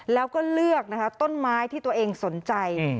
แล้วก็เลือกนะคะต้นไม้ที่ตัวเองสนใจ